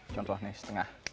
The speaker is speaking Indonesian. contoh ini setengah